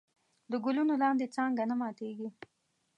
د ګلونو لاندې څانګه نه ماتېږي.